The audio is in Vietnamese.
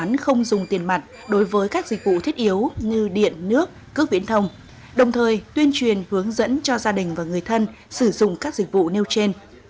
các dự án không dùng tiền mặt đối với các dịch vụ thiết yếu như điện nước cước viễn thông đồng thời tuyên truyền hướng dẫn cho gia đình và người thân sử dụng các dịch vụ nêu trên